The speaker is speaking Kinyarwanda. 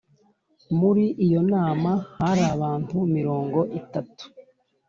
muri iyo nama hari abantu mirongo itatu